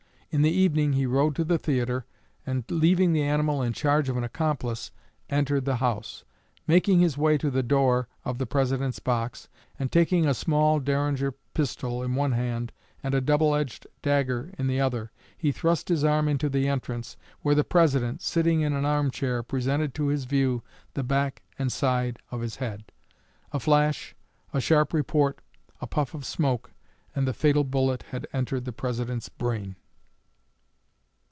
In the evening he rode to the theatre, and, leaving the animal in charge of an accomplice, entered the house. Making his way to the door of the President's box, and taking a small Derringer pistol in one hand and a double edged dagger in the other, he thrust his arm into the entrance, where the President, sitting in an arm chair, presented to his view the back and side of his head. A flash, a sharp report, a puff of smoke, and the fatal bullet had entered the President's brain.